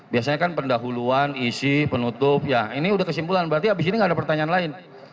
biasanya kan pendahuluan isi penutup ya ini udah kesimpulan berarti abis ini nggak ada pertanyaan lain